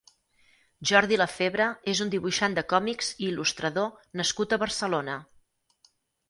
Jordi Lafebre és un dibuixant de còmics i il·lustrador nascut a Barcelona.